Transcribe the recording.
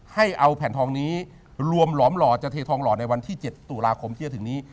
ให้เอาแผ่นทองนี้รวมหลอมหล่อจะเททองหล่อในวันที่๗ตุลาคมที่จะถึงนี้